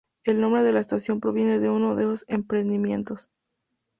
El nombre de la estación proviene de uno de esos emprendimientos.